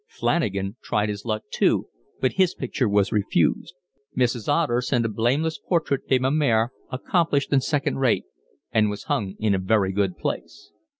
Flanagan tried his luck too, but his picture was refused. Mrs. Otter sent a blameless Portrait de ma Mere, accomplished and second rate; and was hung in a very good place.